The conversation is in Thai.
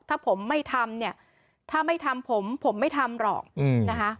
ถ้าผมไม่ทำเนี่ยถ้าไม่ทำผมผมไม่ทำหรอกนะคะ